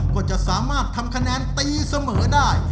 ก็จะสามารถทำคะแนนตีเสมอได้